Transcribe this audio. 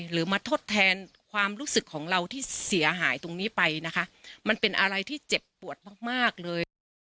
หรือมาทดแทนความรู้สึกของเราที่เสียหายตรงนี้ไปนะคะมันเป็นอะไรที่เจ็บปวดมากมากเลยนะคะ